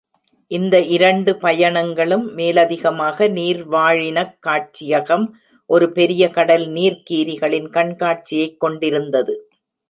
இந்த இரண்டு பயணங்களுக்கு மேலதிகமாக, நீர்வாழினக் காட்சியகம் ஒரு பெரிய கடல் நீர்க்கீரிகளின் கண்காட்சியைக் கொண்டிருந்தது.